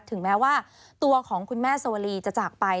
ถึงแม้ว่าตัวของคุณแม่สวรีจะจากไป